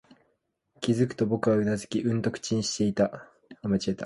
気づくと、僕はうなずき、うんと口にしていた